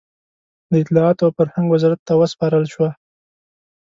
د اطلاعاتو او فرهنګ وزارت ته وسپارل شوه.